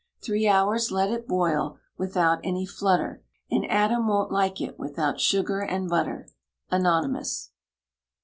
Three hours let it boil, without any flutter, And Adam won't like it without sugar and butter. ANONYMOUS.